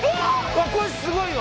すごいわ。